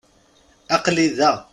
Aql-i da.